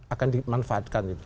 akan dimanfaatkan gitu